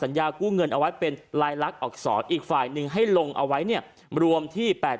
สัญญาคู่เงินเอาไว้เป็นลายลักษณ์ออกสอนอีกฝ่ายนึงให้ลงเอาไว้เนี่ยรวมที่๘๐๐๐๐